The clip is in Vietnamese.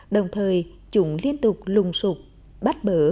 đồng thời chúng liên tục lùng sụp bắt bỡ